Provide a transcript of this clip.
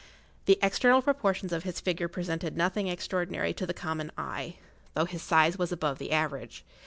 The external proportions of his figure presented nothing extraordinary to the common eye, though his size was above the average.